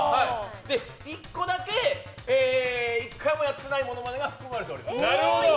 １個だけ１回もやってないモノマネが含まれております。